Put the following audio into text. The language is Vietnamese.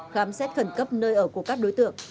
khám xét khẩn cấp nơi ở của các đối tượng